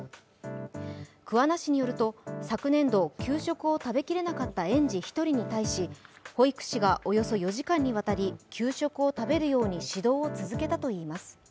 桑名市によると、昨年度、給食を食べきれなかった園児１人に対し保育士がおよそ４時間にわたり給食を食べるように指導を続けたといいます。